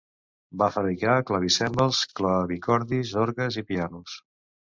Va fabricar clavicèmbals, clavicordis, orgues i pianos.